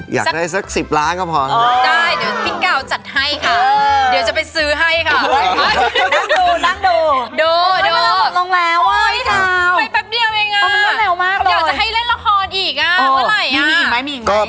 อยากได้สัก๑๐ล้านรถก็พอ